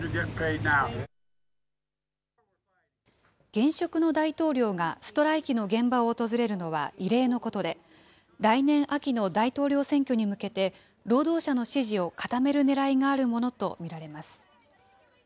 現職の大統領がストライキの現場を訪れるのは異例のことで、来年秋の大統領選挙に向けて、労働者の支持を固めるねらいがあるものと見られます。